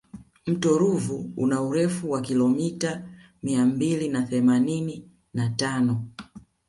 mto ruvu una urefu wa kilomita mia mbili na themanini na tano